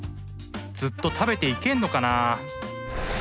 ずっと食べていけんのかなあ。